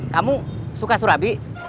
kamu suka surabi